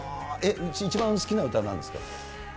一番好きな歌、なんですか？